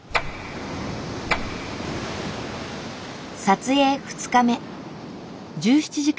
撮影２日目。